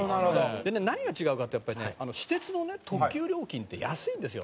でね何が違うかってやっぱりね私鉄の特急料金って安いんですよ。